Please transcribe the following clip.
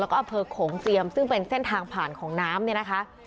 แล้วก็บของเจียมซึ่งเป็นเส้นทางผ่านของน้ำ